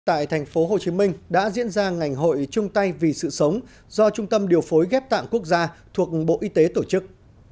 tại thành phố hồ chí minh đã diễn ra ngành hội chung tay vì sự sống do trung tâm điều phối ghép tạng quốc gia thuộc bộ y tế tổ chức